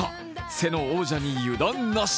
セの王者に油断なし。